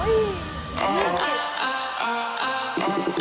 โอ้โฮโอ้โฮโอ้โฮโอ้โฮ